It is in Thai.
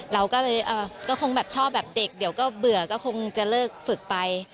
เราก็เลยก็คงแบบชอบแบบเด็กเดี๋ยวก็เบื่อก็คงจะเลิกฝึกไป